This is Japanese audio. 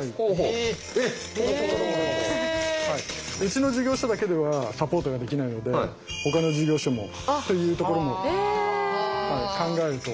うちの事業所だけではサポートができないのでほかの事業所もっていうところも考えると。